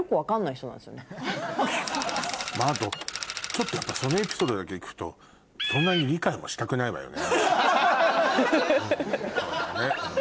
あとちょっとそのエピソードだけ聞くとそんなに理解はしたくないわよね。